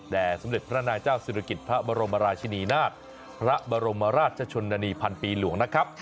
สมเด็จพระนางเจ้าศิริกิจพระบรมราชินีนาฏพระบรมราชชนนานีพันปีหลวงนะครับ